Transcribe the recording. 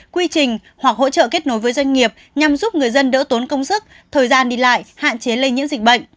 quy trình hoặc hỗ trợ kết nối với doanh nghiệp nhằm giúp người dân đỡ tốn công sức thời gian đi lại hạn chế lây nhiễm dịch bệnh